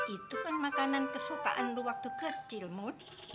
itu kan makanan kesukaan lo waktu kecil mun